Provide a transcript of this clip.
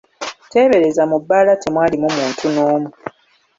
Teebereza, mu bbaala temwalimu muntu n'omu!